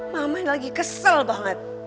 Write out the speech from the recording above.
mama lagi kesel banget